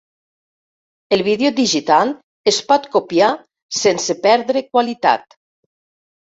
El vídeo digital es pot copiar sense perdre qualitat.